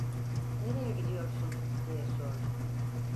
"Nereye gidiyorsun?" diye sordu.